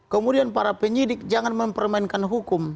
kemudian para penyidik jangan mempermainkan hukum